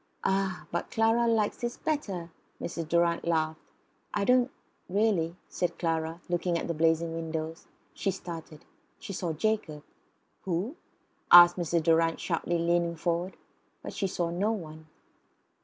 "Ah! but Clara likes this better," Mrs. Durrant laughed. "I don't know really," said Clara, looking at the blazing windows. She started. She saw Jacob. "Who?" asked Mrs. Durrant sharply, leaning forward. But she saw no one.